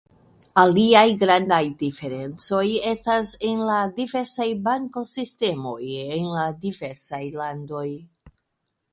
Aliaj grandaj diferncoj estas en la diversaj bakosistemoj en la diversaj landoj.